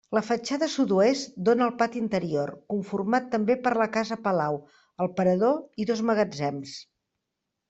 La fatxada sud-oest dóna al pati interior conformat també per la casa palau, el parador i dos magatzems.